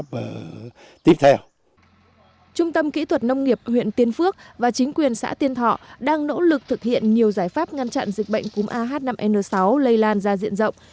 trung tâm kỹ thuật nông nghiệp huyện tiên phước và chính quyền xã tiên thọ đang nỗ lực thực hiện nhiều giải pháp ngăn chặn dịch bệnh cúm ah năm n sáu lây lan ra diện rộng